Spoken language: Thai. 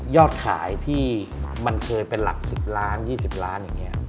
ยอดขายที่มันเคยเป็นหลัก๑๐ล้าน๒๐ล้านอย่างนี้